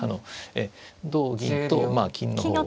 同銀と金の方を。